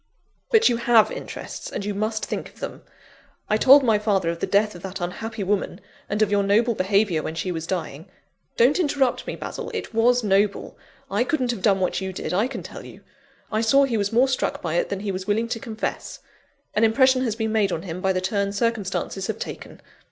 "But you have interests, and you must think of them. I told my father of the death of that unhappy woman, and of your noble behaviour when she was dying. Don't interrupt me, Basil it was noble; I couldn't have done what you did, I can tell you! I saw he was more struck by it than he was willing to confess. An impression has been made on him by the turn circumstances have taken.